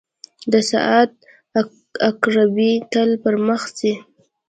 • د ساعت عقربې تل پر مخ ځي.